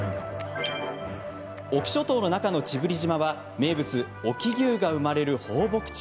隠岐諸島の中の知夫里島は名物、隠岐牛が生まれる放牧地。